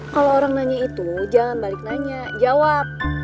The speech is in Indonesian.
kalau orang nanya itu jangan balik nanya jawab